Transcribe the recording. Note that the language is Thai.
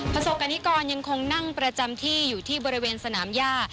ประสบกรณิกรยังคงนั่งประจำที่อยู่ที่บริเวณสนามย่า